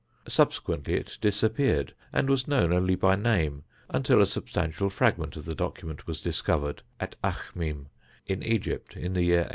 Subsequently it disappeared and was known only by name until a substantial fragment of the document was discovered at Akhmim in Egypt, in the year 1887.